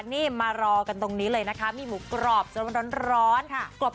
นี่มารอกันตรงนี้เลยนะคะมีหมูกรอบจนมันร้อน